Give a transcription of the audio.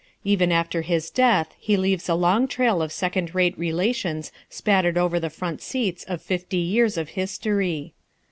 Even after his death he leaves a long trail of second rate relations spattered over the front seats of fifty years of history.